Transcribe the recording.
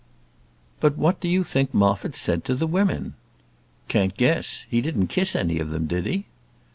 "But what do you think Moffat said to the women?" "Can't guess he didn't kiss any of them, did he?"